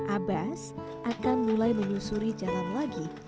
abbas akan mulai menyusuri jalan lagi